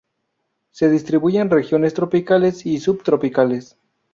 Se distribuye en regiones tropicales y sub-tropicales.